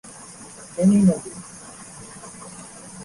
ফেনী নদী।